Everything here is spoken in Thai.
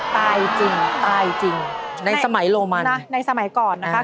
ตายจริงตายจริงในสมัยโรมันนะในสมัยก่อนนะคะ